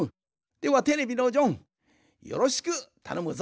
ではテレビのジョンよろしくたのむぞ。